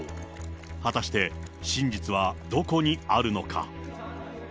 果たして、真実はどこにあるのか。